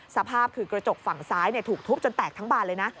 สภาพคือกระจกฝั่งซ้ายถูกทุบจนแตกทั้งบานเลยนะ